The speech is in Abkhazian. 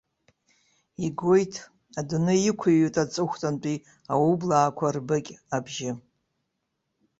Игоит, адунеи иқәыҩуеит аҵыхәтәантәи аублаақәа рбыкь абжьы.